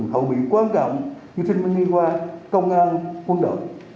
hậu vị quan trọng như sinh viên hoa công an quân đội